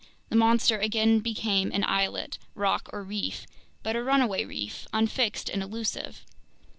The monster again became an islet, rock, or reef, but a runaway reef, unfixed and elusive.